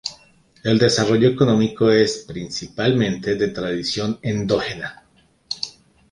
El desarrollo económico es, principalmente, de tradición endógena.